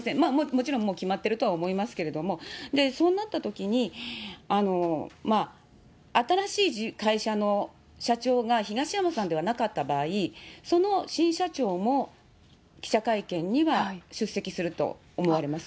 もちろんもう決まってるとは思いますけれども、そうなったときに、新しい会社の社長が東山さんではなかった場合、その新社長も記者会見には出席すると思われます。